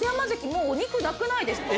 もうお肉なくないですか？